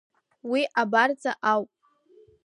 Уи абарҵа ауп.